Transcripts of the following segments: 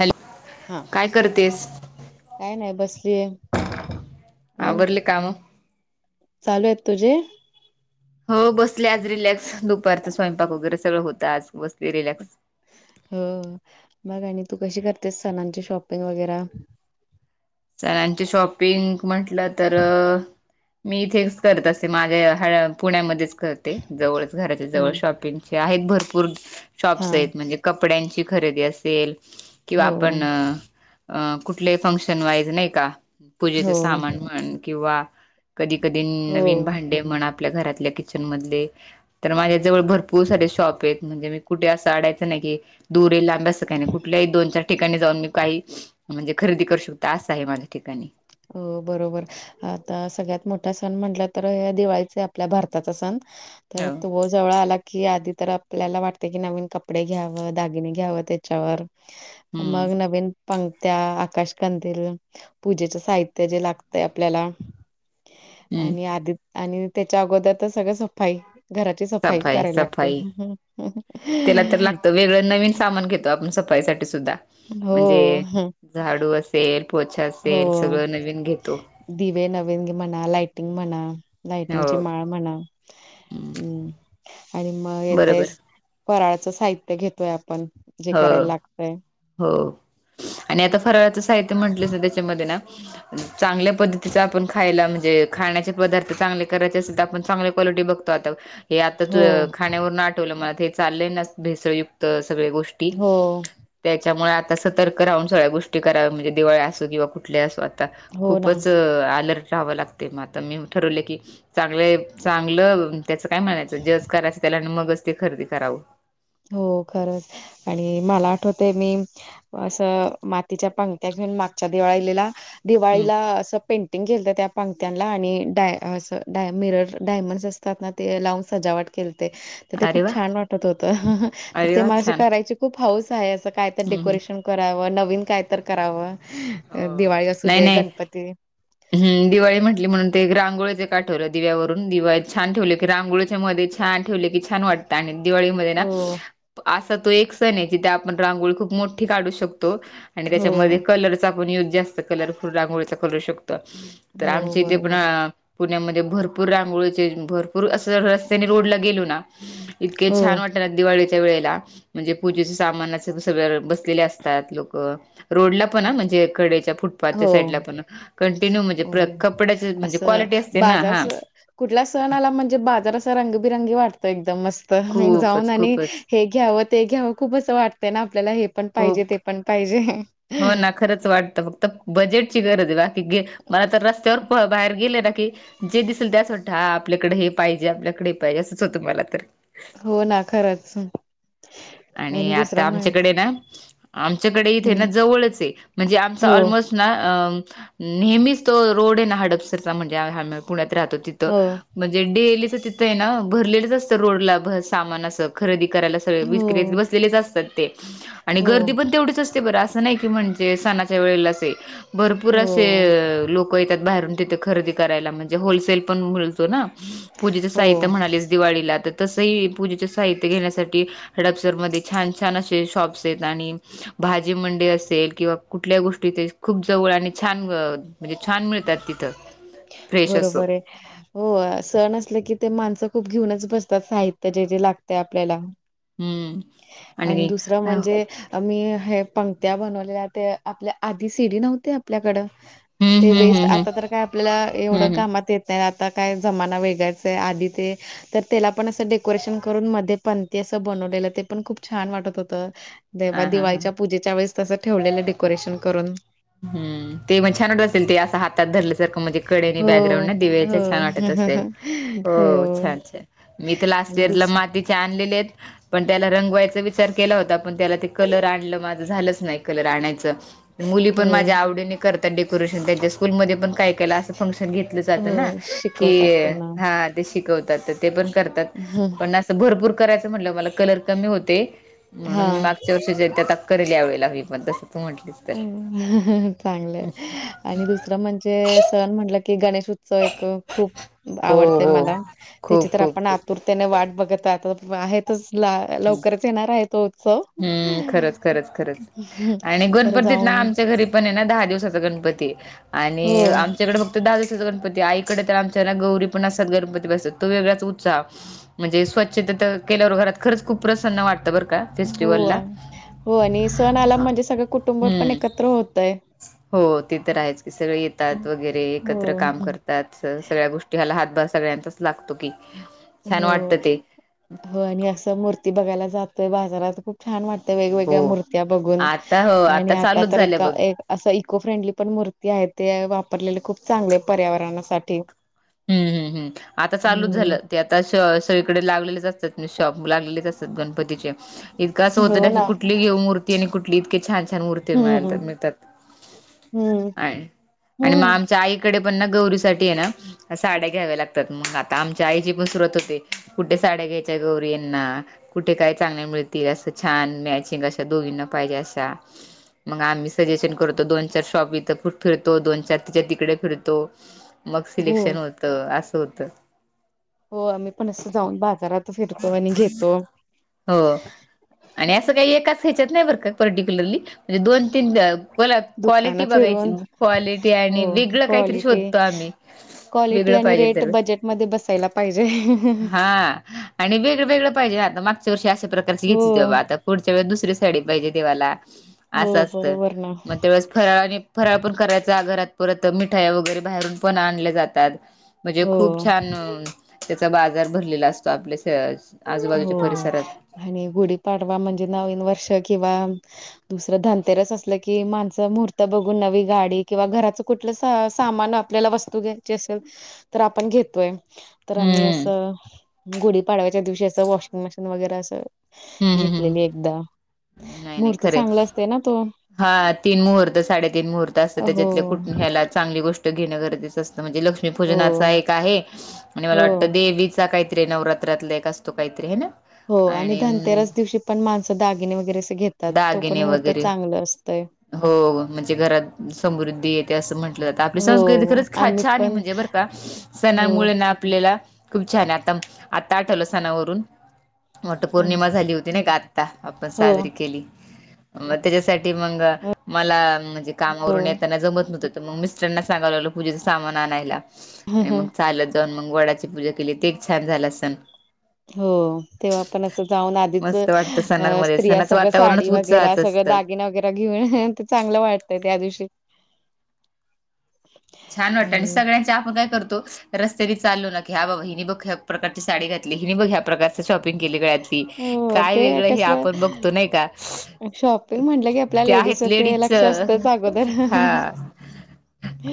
Hello हां काय करतेस काय नाही बसलीय हं आवरले काम चालू आहेत तुझे हो बसले आज रिलॅक्स दुपारच स्वयंपाक वगैरे सगळं होत आज बसले रिलॅक्स हो मगं आणि तू कशी करतेस सणांची शॉपिंग वगैरा सणांचे शॉपिंग म्हटलं तर मी इथेच करत असते माझ्या ह्या पुण्यामध्येच करते जवळच घराच्या हा जवळ शॉपिंग आहेत भरपूर हा शॉप्स आहेत म्हणजे कपड्यांची खरेदी असेल किंवा हो आपण कुठले फंक्शन वाईज नाही का पूजेच हो सामान म्हण किंवा कधी कधी हो नवीन भांडे म्हणत आपल्या घरातल्या किचन मधले तर माझ्या जवळ भरपूर सारे शॉप आहेत म्हणजे मी कुठे असं अडायचं नाही की दुरे ला असं नाही कुठल्याही दोन चार ठिकाणी जाऊन मी काही म्हणजे खरेदी करू शकता असं आहे माझ्या ठिकाणी अ बरोबर आता सगळ्यात मोठा सण म्हटलं तर दिवाळीचे आपल्या भारताचा सण तर हो त जवळ आला की आधी तर आपल्याला वाटते की नवीन कपडे घ्यावं दागिने घ्यावं त्याच्यावर हम्म मग नवीन पंत्या आकाशकंदील पूजेच्या साहित्य जे लागतय आपल्याला हम्म आणि आदित आणि त्याच्या अगोदर तर सगळ सफाई घराची सफाई करायला लागते त्याला तर लागत वेगळं नवीन सामान घेतो आपण सफाईसाठीठी सुद्धा हो म्हणजे झाडू अस हो घेतो दिवे नवीन म्हणा लाइटिंग म्हणा हो लाइटिंगची माळ म्हणा हम्म. हं आणि म बरोबर येतेस फराळाचं साहित्य घेतोय आपण जे हो करायला लागतय हो आणि आता फराळाचं साहित्य म्हंटलंस त्याच्यामध्ये ना चांगल्या पद्धतीचा आपण खायला म्हणजे खाण्याचे पदार्थ चांगले करायचे असे तर आपण चांगले हे आताच हो खाण्यावरनं आठव ठेवलं मला ते चाललंय ना भेसळयुक्त सगळ गोष्टी हो त्याच्यामुळे आता सतर्क राहून सगळ्या गोष्टी कराव्या म्हणजे दिवाळी असो किंवा कुठल्या असू हो ना खूपच अलर्ट राहावं लागत ते म आता मी ठरवले की चांगले चांगलं त्याचं काय म्हणायचं जज करायचं त्याला मगच ते खरेदी करावं हो खरंच आणि मला आठवते मी असं मातीच्या पंक्त्या घेऊन मागच्या दिवाळीला हम्म दिवाळीला असं पेंट फटिंग केलत त्या पांगत्यांला आणि डाय अस मिरर डायमंड्स असतात ना ते लावून सजावट खेळते तर ते अरे खूप वा छान वाटत होतं तर अरे ते वा माे छान करायचे खूप हाऊस आहे असं काय तर हम्म हम्म डेकोरेशन कराव नवीन काय तर करावं दिवाळी असू दे गणपती ह् दिवाळी म्हटली म्हणून ते रांगोळच काठवलं दिव्यावरून दिवाळी छान ठेवली क रांगोळीच्या मध्ये छान ठेवले की छान वाटत आणि दिवाळीमध्ये ना हो असा तो एक सण आहे जिथे आपण रांगोळी खूप मोठी काढू शकतो आणि हो त्याच्यामध्ये कलर चा पण युज जास्त कलर फुल रांगोळीचा करु शकत तर हो आमच्या इथे पण बरोबर पुण्यामध्ये भरपूर रांगोळीचे भरपूर असं रस्त्याने रोड ला गेलो ना इतके हो छान वाट दिवाळीच्या वेळेला म्हणजे पूजे सामान बस असतात लोक रोडला पण म्हणजे कडेच्या च्या हो साईडला पण कंटिन्यू म्हणजे हो कपड्याची म्हणजे क्वालिटी असते ना हा कुठल्या सण आला म्हणजे बाजार अस रंगबिरंगी वाटत एकदम मस्त जाऊन खूपच आणि खूपच हे घ्यावं ते घ्यावं खूप असं वाटतंय ना आपल्याला हे पण पाहिजे खूप ते पण पाहिजे. हो ना खरंच वाटतं फक्त बजेटची गरज आहे बा. की मला तर रस्त्यावर प बाहेर गेले ना की. जे दिसेल त्याच वाटतं आपल्याकडे हे पाहिजे आपल्याकडे हे पाहिजे असंच होतं मला तर. हो ना खरंच. आणि आता दुसरा म्हण आमच्याकडे ना आमच्याकडे इथे हम्म. ना जवळच आहे म्हणजे आमच हो ऑलमोस्ट. ना अ नेहमीच तो रोड आहे ना हडपसरचा म्हणजे हा मॅ प. पुण्यात राहतो तिथं. हो म्हणजे डेलीच तिथं आहे ना भरलेलंच असतं रोडला भा सामान असं खरेदी करायला सगळं मीच. तिथं हो बसलेली असतात ते हो गर्दी पण तेवच आस. ते बर अस नाही की म्हणजे सणाच्या वेळेला भरपूर असे हो लोक. होय येत्यात बाहेरून तिथे खरेदी करायला म्हणजे होलसेल पण मिळतो ना. पूजेच हो साहित्य म्हणालेस दिवाळीला तर तसही पूजेचे साहित्य घेण्यासाठी. हडपसरमध्ये छान छान असे शॉप्स आहेत आणि. भाजी मंडई असेल किंवा कुठल्या गोष्टी ते खूप जवळ आणि छान म. म्हणजे छान मिळतात तिथं. फ्रेश असं बरोबर आहे. हो सण असले की ते माणसं खूप घेऊनच बसतात साहित्य जे जे लागते आपल्याला. हम्म. आणि दुसरं म्हणजे. मी हे पंणत्या बनवलेल्या ते आपल्या आधी सीडी नव्हते आपल्याकडं‌. ते हम्म वेस्ट हम्म हम्म आता तर काय आपल्याला एवढं हम्म हम्म कामात येत तर आता काय जमाना वेगळाचा आहे आधी ते. तर त्याला पण असं डेकोरेशन करून मध्ये पणती असं बनवलेलं. ते पण खूप छान वाटत होतं तेव्हा हा हा हा दिवाळीच्या पूजेच्या वेळेस तसं ठेवलेलं डेकोरेशन करून. हम् ते मग छानवटत असेल ते असं हातात धलं. जर म्हणजे कडेनी बॅकग्राउंड हो. ना दिवचा हो छान वाटत असेल हो छान छान. मी तर लास्ट आणि इयरला दुस मातीचे आणलेले आहेत पण त्याला रंगवायचा विचार केला होता. पण त्याला कलर आणल माझ झालंच नाही कलर आणायच मुली पण हो माझ्या आवडीने. करतात डेकोरेशन त्यांच्या स्कूलमध्ये पण काय केला असं फंक्शन घेत. घेतलं जात ना हो शिकवतात की त्यांना. हा. शिकवतात तर ते पण करतात हं. पण असं भरपूर करायचं म्हटलं मला कलर कमी होते. म्हणून मी हां. मागच्या वर्षी ज्या त करेल यावेळी ला मी पण तसं तू म्हटली. चांगलंय आणि दुसरं म्हणजे सन म्हटलं. की गणेश उत्सव एक खूप हो आवडतय हो मला खूप त्याची तर खूप आपण खूप आतुरता. त्याने वाट बघत आता आहेतच ला लवकरच येणार आहे तो उत्सव. हम्म खरंच खरंच खरंच हं. आणि गु तर गणपतीत ना जाऊन आमच्या घरी पण आहे ना दहा दिवसाचा गणपती आणि हो, आमच्याकडे फक्त दहा दिवस. गणपती आईकडे तर आमच्याला गौरी पण असत गणपती बसत तो वेगळाच उत्साह. म्हणजे स्वच्छता तर केल्यावर घरात खरंच खूप प्रसन्न वाटतं बरं का. हो फेस्टिवलला हो आणि सण आला हा. म्हणजे सगळं कुटुंब पण हम्म एकत्र होतय. हो ते तर आहेच की सगळे येतात वगैरे एकत्र हो, काम हं. करतात. तात सगळ्या गोष्टी ह्याला हातभार सगळ्यांचाच लागतो की. छान हो वाटत ते हो आणि असं मूर्ती बघायला जातोय बाजारात खूप. छान वाटते हो वेगवेगळ्या मूर्त्या बघून आता हो आणि आता चालूच तर झालं एका बघ एक. असं इको फ्रेंडली पण मूर्ती आहे ते वापरलेले खूप चांगले पर्यावरणासाठी. हम्म हम् हम् आता चालूच हम्म झालं ते आता सगळीकडे लागलेलेच असतात शॉप लागलेच असत. गणपती चे इतकं असं होतं ना की कुठली घेऊ मूर्ती आणि कुठली इतके छान छान मूर्ती. ती मिळाली हम्म तर मिळतात हम्म आणि आणि हम्म आम चा आई कडे पण ना गौरीसाठी हे ना. साड्या घ्याव्या लागतात. मग आता आमच्या आईची पण सुरुवात होते कुठे साड्या घ्यायच्या गौरी यांंना कुठे काय चांगले मिळतील असं छान मॅचिंग अशा दोघींना पाहिजे अशा. मग आम्ही सजेशन करतो दोन चार शॉप इथं फिरतो दोन चार तिच्या तिकडे फिरतो. मग हो सिलेक्शन होतं असं होत. हो आम्ही पण असं जाऊन बाजारात फिरतो आणि घेतो. हो आणि असं काही एकाच हेच्यात नाही बर का पर्टिक्युलरली म्हणजे दोन तीन बोला क्वालिटी दुकानं बघायची फिरून क्वालिटी हो आणि वेगळं काहीतरी क्वालिटी शोधतो आम्ही. क्वालिटी वेगळं आणि पाहिजे रेट तर बजेटमध्ये बसायला पाहीजे. हा आणि वेगळं वेगळं पाहिजे आता मागच्या वर्षी अशा प्रकारची हो घेतली ते बा आता पुढच्या वेळी दुसरे साडी पाहिजे देव्हाला हो असं असत बरोबर ना मग तेवळेस फराळ आणि फराळ पण करायचा घरात परत मिठाया वगैरे बाहेरून पण आणल्या जातात. म्हणजे हो खूप छान त्याचा बाजार भरलेला असतो आपले हो आणि गुढीपाडवा म्हणजे नवीन वर्ष किंवा दुसरं धनतेरस असलं की माणसं महूर्त बघून नवी गाडी किंवा घराच कुठलं स सामान आपल्याला वस्तू घ्यायची असेल तर आपण घेतोय. तर आम्ही हम्म असं गुढीपाडव्याच्या दिवशी असं वॉशिंग मशीन वगैरे असं हं हं घेतलेली हं एकदा, नाही नाही मुहूर्त खरंय. चांगला असते ना तो. हा तीन मुहूर्त साडेतीन मुहूर्त असतं हो त्याच्यातले कुठ ह्यालात. चांगली गोष्ट घेणं गरजेचं असतं म्हणजे हो लक्ष्मीपूजनाचा एक आहे. आणि मला हो वाटतं देवी काहीत रे नवरात्रीतलाएक असतो काहीत रे हे ना. हो आणि धनतेराच दिवशी पण माणसं दागिने वगैरे अस घेतात तो पण मुहूर्त चांगलं असतंय. हो हो म्हणजे घरात समृद्धी असं म्हटलं जातं आपली हो संस्कृती खरंच आम्ही छान आहे, पण म्हणजे बरं का! हो सणांमुळे ना आपल्याला खूप छान आता आता आठवलं सणावरून वटपौर्णिमा झाली. ते होती नाही का आत्ता आपण हो साजरी केली. मग त्याच्यासाठी मग मला म्हणजे हो कामावरून येताना जमत नव्हत. तर मग मिस्टरना सांगायला लागलो पूजेच सामान आणायला हं, आणि मग हं. चालत जावून मंग वडाची पूजा केली ते एक छान झाल असण. हो. तेव्हा पण असं जाऊन आधीच मस्त वाटतं सणांमध्ये स्त्रिया सणाचं सगळं साडी वातावरणच वगैरे उत्साहाचं सगळं असतं. दागिन वगैरे घेऊन ते चांगलं वाटतंय त्या दिवशी. छान वाटतं आणि सगळ्यांच आपण काय करतो. रस्त्यानी चालो ना की ह बाबा! हि बग ह्या प्रकारची साडी घातली, हिनी बघ ह्या प्रकारं शॉपिंग केली, गळात हो, काय ते वेगळं हे कसलं आपण बघतो नाही का? शॉपिंग म्हटलं की आपल्या ते आहेत लेडीजचं ते लेडीजच लक्ष असतंच अगोदर. हा.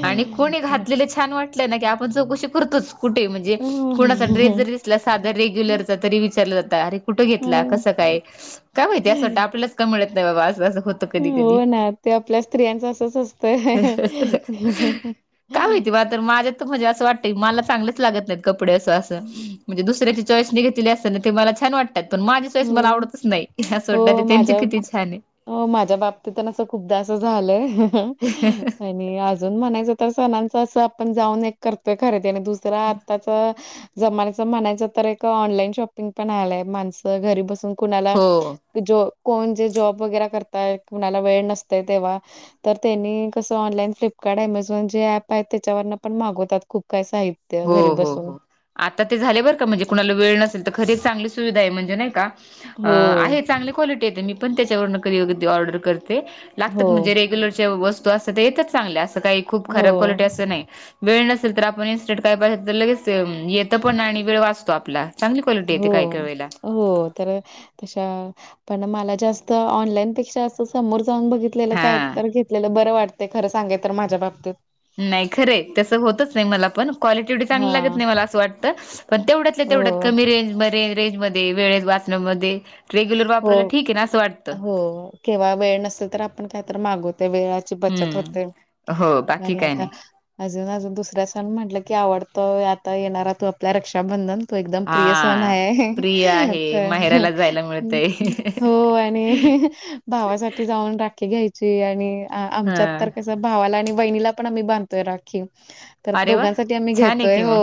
आणि कोणी हं. घातलेले छान वाटलंय ना की आपण चौकशी करतोच, कुठे म्हणजे कोणाचा ड्रेस जरी साधर रेग्युलर तरी विचार जात अरे कुठे घेतला हो. कसं काय काय माहिती अस वाटं आपलच मिळत नाही बाबा! असं असं कधी कधी हो ना ते आपल्या स्त्रियांच असच असत. काय माहिती म तर माझ्या त म्हणजे असं वाटतंय मला चांगलंच लागत नाही. कपडे असं अस म्हणजे दुस्याची चॉईस‌नी घेतलेली असते मला छान वाट. त्यात पण माझी चॉईस मला हो. आवडतच नाही. असोडत ते हो, त्यांची माझ्या किती छान आहे. हो माझ्या बाबतीत असं खूपदा अस झालंय. मी अजून म्हणायचं तर सणांच असं आपण जाऊन एक करतोय खरेदी आणि दुसरा आत्ताच. जमाण्याच म्हणायचं तर एक ऑनलाईन शॉपिंग पण आलाय माणसं घरी बसून कुणाला हो ज कोण जे जॉब वगैरे करताय कुणाला वेळ नसते तेव्हा तर त्यांनी कसं ऑनलाईन फ्लिपकार्ट, अमेझॉन, जे ऍप आहेत. त्याच्यावरन पण मागवतात खूप काही साहित्य. हो घरी हो बसून हो, आता ते झाले बरं का म्हणजे कुणाला वेळ नसेल तर खरीच चांगली सुविधा आहे म्हणजे नाही का? हो आहे चांगली क्वालिटी य मी पण त्याच्यावर कधीकधी ऑर्डर करते. हो लागतात म्हणजे रेग्युलरच्या वस्तू असतात ते येतच चांगल्या असं काही खूप खराब हो क्वालिटी असं नाही. वेळ नसेल तर आपण इन्स्टंट काय पाहिजे तर लगेच येतं पण आणि वेळ वाचतो आपला. चांगली कॉलिटी येते काही काही हो. वेळेला. हो, तर, तशा, पण मला जास्त ऑनलाईन पेक्षा समोर जाऊन बघितलेलं काय हा तर घेतलेलं बरं वाटतेय खरं सांगे तर माझ्या बाबतीत. नाही खरं आहे तसं होतच नाही मला पण. क्वालिटी एवढी चांगली लागत हां. नाही मला असं वाटत, पण तेवढ्यातल्या तेवढ्यात हो, कमी रेंजमध्येे रेंजमध्ये वेळेत वाचण्यामध्ये, रेग्युलर हो, वापरायला ठीक आहे ना असं वाटतं. हो. केव्हा वेळ नसल तर आपण काय तर मागवतोय वेळ ची बचत होते, हम्म हो बाकी आणि काय आता नाही अजून अजून दुसरा सण म्हटलं की आवडतोय आता येणारा तो आपलला रक्षाबंधन. तो एकदम हा प्रिय सण हाय. प्रिय आहे माहेराला जायला मिळतय हो आणि भावासाठी जाऊन राखी घ्यायची आणि हा आमच्यात तर कस भावाला आणि वहिणीला पण आम्ही बांधतोय राखी. तर अरे वा दोघांसाठी आम्ही छान आहे घेतोय कि हो, मग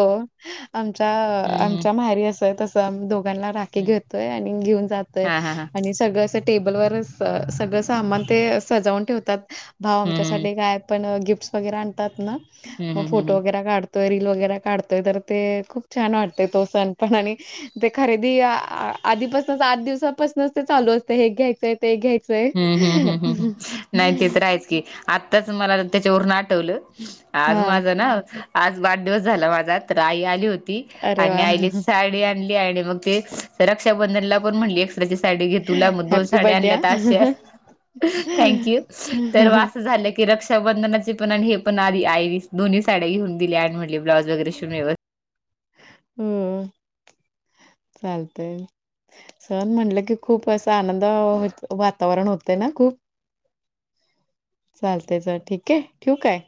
आमच्या हम्म हम्म आमच्या माहेरी असं तसं आमही दो ला राखी हम्म घेतोय आणि घेऊन जातोय हा हा हा आणि सगळंं अस टेबल वरच सगळं सामान ते सजावून ठेवतात. भाव हम्म हम्म आमच्यासाठी काय पण गिफ्टस वगैरे आणतात ना, हम्म म हम्म फोटो हम्म वगैरे काढ त रील वगैरे काढतोय तर ते खूप छान वाटतय तो सण पण आणि ते खरेदी आधीपासूनच आठ दिवसापासूनच ते चालू असत हे घ्यायचंय ते घ्यायचं. हम्म हम्म हम्, नाही ते तर हायच की. आत्ताच मला त्याच्यावरून आठवलं, आज हा माझं ना आज वाढदिवस झाला माझा तर आई आली होती, अरे आणि वा आईने साडी आणली आणि मग ते तर रक्षाबंधनला पण म्हणली एक्स्ट्रा ची साडी घे तुला म दोन हॅप्पी साड्या बर्थडे आणल्यात हा आज. त्या, थँक्यू, तर मग असं झालं की रक्षाबंधनाची पण हे पण आधी आई दोन्ही साड्या घेऊन दिली आणि म्हटली ब्लाउज वगैरे शिवून व्यव हम्, चालतय. सण म्हटलं की खूप असा आनंद वातावरण होतंय ना खूप. चालतय चल ठीक आहे, ठेवू काय.